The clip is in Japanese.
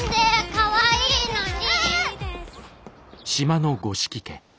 かわいいのに！